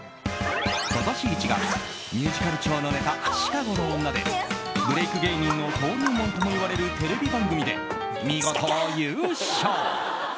今年１月、ミュージカル調のネタシカゴの女でブレーク芸人の登竜門ともいわれるテレビ番組で見事、優勝！